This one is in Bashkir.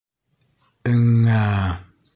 — Эң-ңә-ә!..